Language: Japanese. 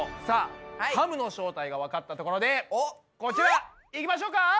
さあハムの正体がわかったところでこちらいきましょうか！